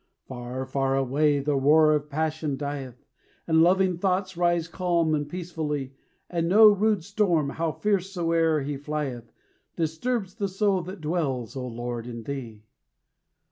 Far, far away, the roar of passion dieth, And loving thoughts rise calm and peacefully, And no rude storm, how fierce soe'er he flieth, Disturbs the soul that dwells, O Lord, in thee.